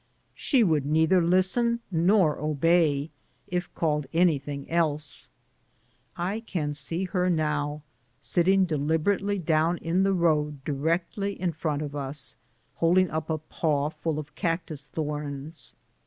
She would neither listen nor obey if called anything else. I can see her now, sitting deliberately down in the road directly in front of us, and holding up a paw full of cactus thorns.